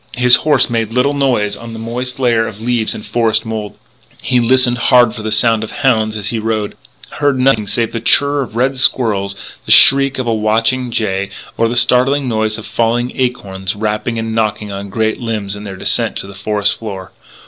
His horse made little noise on the moist layer of leaves and forest mould; he listened hard for the sound of hounds as he rode; heard nothing save the chirr of red squirrels, the shriek of a watching jay, or the startling noise of falling acorns rapping and knocking on great limbs in their descent to the forest floor.